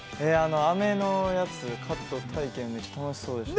◆あめのやつ、カット体験、めっちゃ楽しそうでしたね。